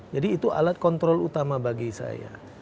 jadi itu alat kontrol utama bagi saya